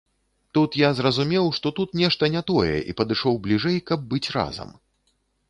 Тут я зразумеў, што тут нешта не тое і падышоў бліжэй, каб быць разам.